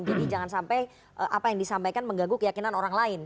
jadi jangan sampai apa yang disampaikan mengganggu keyakinan orang lain